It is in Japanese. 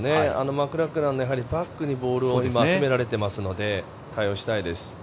マクラクランのバックにボールを今集められていますので対応したいです。